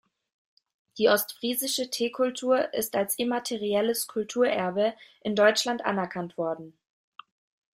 Die ostfriesische Teekultur ist als Immaterielles Kulturerbe in Deutschland anerkannt worden.